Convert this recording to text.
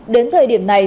đến thời điểm này